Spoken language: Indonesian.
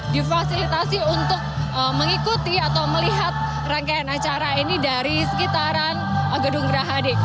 difasilitasi untuk mengikuti atau melihat rangkaian acara ini dari sekitaran gedung gerahadi